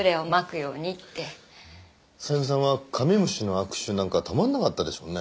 さゆみさんはカメムシの悪臭なんかたまんなかったでしょうね。